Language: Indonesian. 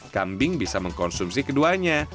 kambing bisa mengkonsumsi keduanya